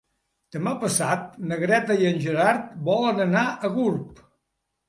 Demà passat na Greta i en Gerard volen anar a Gurb.